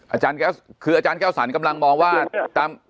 อาจารย์แก้วคืออาจารย์แก้วสรรกำลังมองว่าตาม